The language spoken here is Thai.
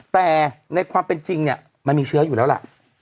แต่ในความเป็นจริงเนี่ยมันมีเชื้ออยู่แล้วล่ะ